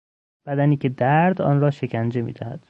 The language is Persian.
بدنی که درد آن را شکنجه میدهد